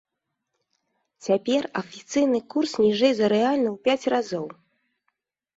Цяпер афіцыйны курс ніжэй за рэальны ў пяць разоў.